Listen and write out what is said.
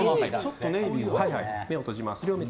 目を閉じます。